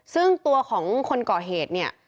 ซึ่งตัวของคนก่อเหตุเนี่ย